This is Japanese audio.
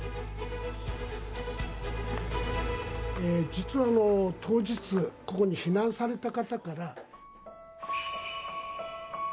実は当日ここに避難された方から。